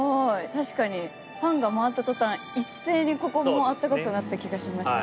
確かにファンが回った途端一斉にここも暖かくなった気がしました。